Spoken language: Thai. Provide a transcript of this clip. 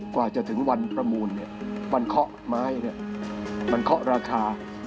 กว่าจะถึงวันประมูลวันเคาะไม้มันเคาะราคา